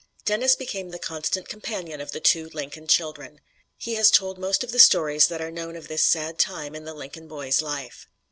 Dennis became the constant companion of the two Lincoln children. He has told most of the stories that are known of this sad time in the Lincoln boy's life.